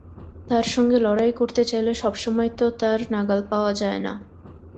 তার সঙ্গে লড়াই করতে চাইলে সব সময় তো তার নাগাল পাওয়া যায় না।